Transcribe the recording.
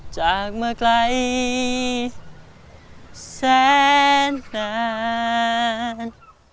จากมาไกลแสนนาน